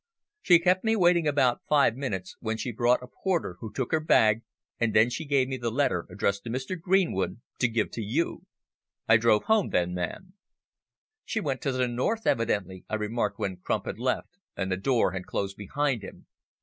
She kept me waiting about five minutes, when she brought a porter who took her bag, and she then gave me the letter addressed to Mr. Greenwood to give to you. I drove home then, ma'am." "She went to the North, evidently," I remarked when Crump had left and the door had closed behind him.